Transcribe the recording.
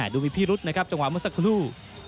ดูมีพิรุษนะครับจังหวะเมื่อสักครู่